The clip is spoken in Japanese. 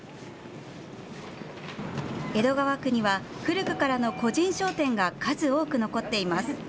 江戸川区には古くからの個人商店が数多く残っています。